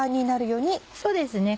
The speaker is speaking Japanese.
そうですね。